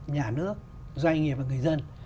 nhà nước doanh nghiệp và người dân